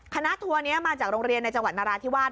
ทัวร์นี้มาจากโรงเรียนในจังหวัดนราธิวาส